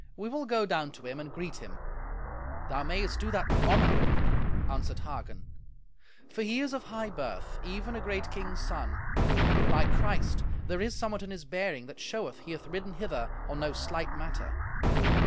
We will go down to him and greet him." "Thou mayest do that with honour," answered Hagen; "for he is of high birth, even a great king's son. By Christ, there is somewhat in his bearing that showeth he hath ridden hither on no slight matter."